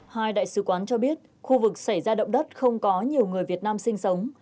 hai đại sứ quán cho biết khu vực xảy ra động đất không có nhiều người việt nam sinh sống